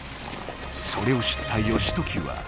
それを知った義時は。